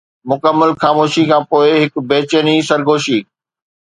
مڪمل خاموشيءَ کانپوءِ هڪ بيچيني سرگوشي